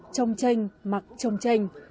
trông chanh mặc trông chanh